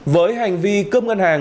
với hành vi cướp ngân hàng